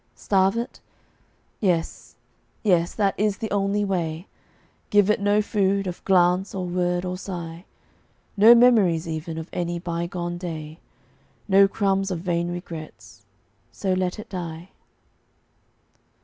Starve it? Yes, yes, that is the only way. Give it no food, of glance, or word, or sigh; No memories, even, of any bygone day; No crumbs of vain regrets so let it die.